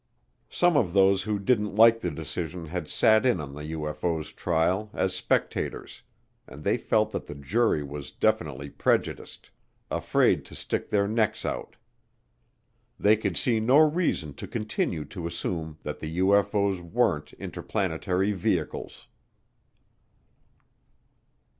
Some of those who didn't like the decision had sat in on the UFO's trial as spectators and they felt that the "jury" was definitely prejudiced afraid to stick their necks out. They could see no reason to continue to assume that the UFO's weren't interplanetary vehicles.